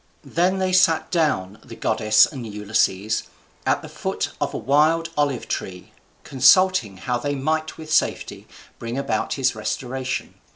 ] Then they sat down, the goddess and Ulysses, at the foot of a wild olive tree, consulting how they might with safety bring about his restoration.